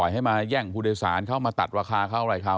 ให้มาแย่งภูเดศานเข้ามาตัดวาคาเข้าอะไรเข้า